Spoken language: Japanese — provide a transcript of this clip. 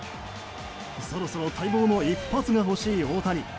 そろそろ待望の一発が欲しい大谷。